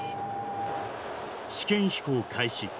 試験飛行開始。